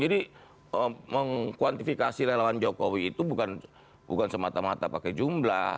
jadi mengkuantifikasi relawan jokowi itu bukan semata mata pakai jumlah